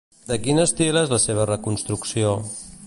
De quin estil és la seva reconstrucció?